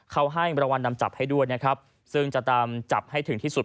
เขาให้รางวัลนำจับให้ด้วยนะครับซึ่งจะตามจับให้ถึงที่สุด